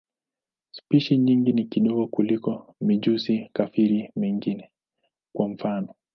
Spishi nyingi ni ndogo kuliko mijusi-kafiri wengine, kwa mfano.